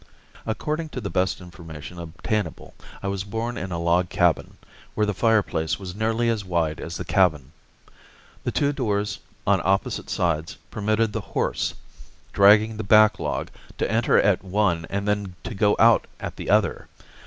According to the best information obtainable, I was born in a log cabin, where the fireplace was nearly as wide as the cabin. The two doors on opposite sides permitted the horse, dragging the backlog, to enter at one and then to go out at the other.